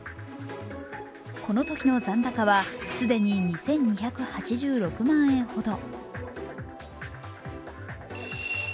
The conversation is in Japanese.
このときの残高は既に２２８６万円ほど。